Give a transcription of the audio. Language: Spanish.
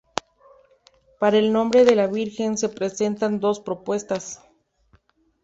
Para el nombre de la Virgen se presentan dos propuestas.